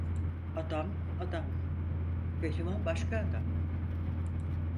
Adam adam, pehlivan başka adam.